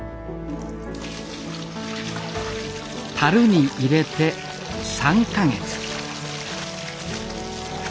たるに入れて３か月。